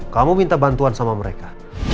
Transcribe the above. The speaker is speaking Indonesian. kamu minta bantuan sama mereka